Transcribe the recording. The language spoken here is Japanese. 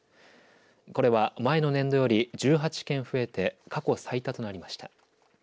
これは前の年度より１８件増えて過去最多となりました。